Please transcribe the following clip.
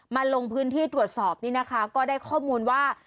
ลงพื้นที่ตรวจสอบนี่นะคะก็ได้ข้อมูลว่า